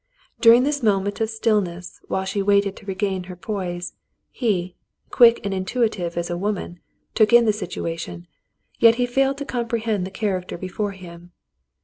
During this moment of stillness while she waited to regain her poise, he, quick and intuitive as a woman, took in the situation, yet he failed to comprehend the character before him.